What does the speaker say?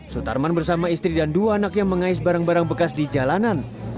sutarman bersama istri dan dua anaknya mengais barang barang bekas di jalanan